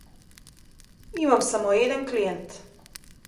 Имам само еден клиент.